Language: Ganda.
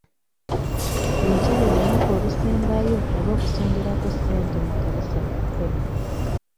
Enkya lwe lunaku olusembayo olw'okusonderako ssente mu kkanisa yaffe.